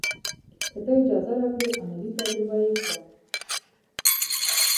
که تۀ اجازه راکړې عملي تجربه یې کړم.